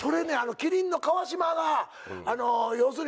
麒麟の川島が要するに。